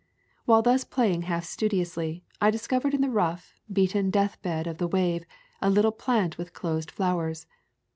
While thus playing half studiously, I discovered in the rough, beaten deathbed of the wave a little plant with closed flowers.